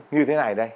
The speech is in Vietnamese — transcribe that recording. như thế này đây